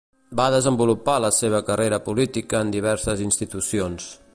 Va desenvolupar la seva carrera política en diverses institucions.